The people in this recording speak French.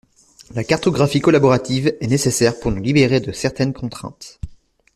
La cartographie collaborative est nécessaire pour nous libérer de certaines contraintes.